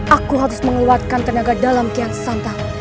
aku harus mengeluarkan tenaga dalam kian sesanta